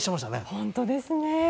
本当ですね。